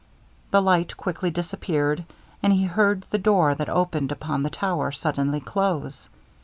The light quickly disappeared, and he heard the door that opened upon the tower suddenly close.